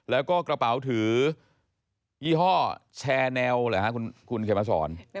แล้วก็กระเป๋าถือยี่ห้อแชร์แนวเหรอฮะคุณเขียนมาสอน